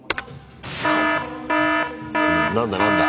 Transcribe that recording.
何だ何だ？